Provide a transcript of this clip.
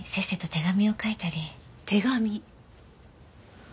手紙？